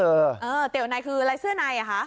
เออเตี๋ยวในคืออะไรเสื้อในอ่ะคะ